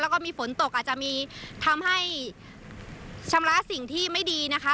แล้วก็มีฝนตกอาจจะมีทำให้ชำระสิ่งที่ไม่ดีนะคะ